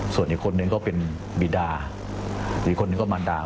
ส่วนอีกคนนึงก็เป็นบีดาอีกคนนึงก็มาดา